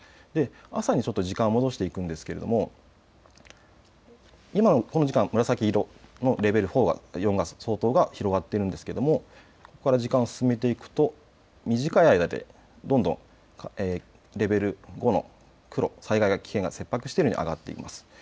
朝に時間を戻していきますと今この時間、紫色のレベル４相当が広がっているんですがここから時間を進めていくと短い間でどんどんレベル５の黒、災害の危険が切迫しているに上がっています。